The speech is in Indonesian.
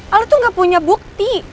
al itu gak punya bukti